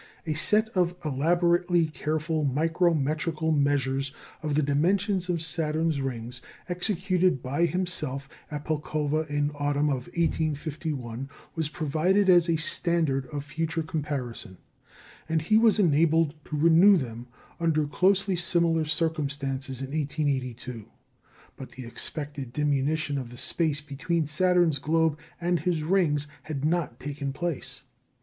A set of elaborately careful micrometrical measures of the dimensions of Saturn's rings, executed by himself at Pulkowa in the autumn of 1851, was provided as a standard of future comparison; and he was enabled to renew them, under closely similar circumstances, in 1882. But the expected diminution of the space between Saturn's globe and his rings had not taken place.